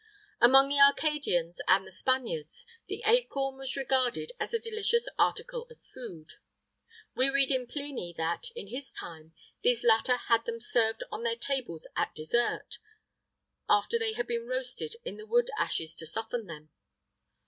Among the Arcadians and the Spaniards, the acorn was regarded as a delicious article of food. We read in Pliny that, in his time, these latter had them served on their tables at dessert, after they had been roasted in the wood ashes to soften them.